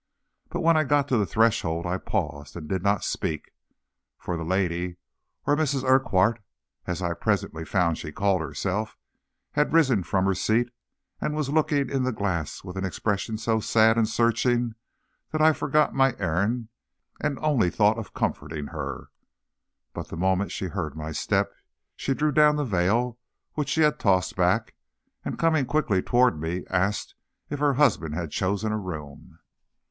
But when I got to the threshold I paused, and did not speak, for the lady or Mrs. Urquhart, as I presently found she called herself had risen from her seat and was looking in the glass with an expression so sad and searching that I forgot my errand and only thought of comforting her. But the moment she heard my step she drew down the veil which she had tossed back, and coming quickly toward me, asked if her husband had chosen a room.